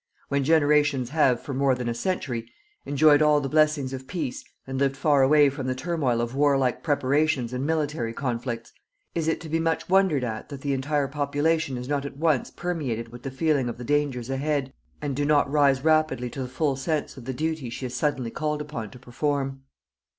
When generations have, for more than a century, enjoyed all the blessings of peace and lived far away from the turmoil of warlike preparations and military conflicts, is it to be much wondered at that the entire population is not at once permeated with the feeling of the dangers ahead, and do not rise rapidly to the full sense of the duty she is suddenly called upon to perform.